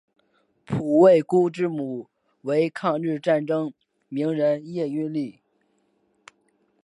傅慰孤之母为抗日战争名人叶因绿。